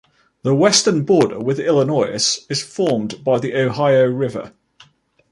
The western border with Illinois is formed by the Ohio River.